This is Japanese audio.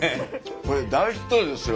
これ大ヒットですよ